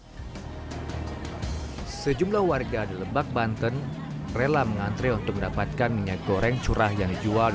hai sejumlah warga di lebak banten rela mengantre untuk mendapatkan minyak goreng curah yang dijual